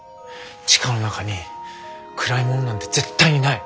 千佳の中に暗いものなんて絶対にない。